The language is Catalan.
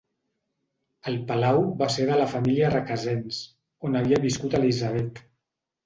El palau va ser de la família Requesens, on havia viscut Elisabet.